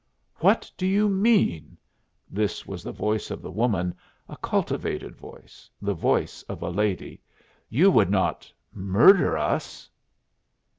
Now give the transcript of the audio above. "What do you mean?" this was the voice of the woman, a cultivated voice, the voice of a lady. "You would not murder us."